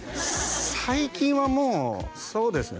最近はもうそうですね